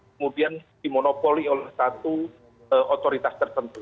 kemudian dimonopoli oleh satu otoritas tertentu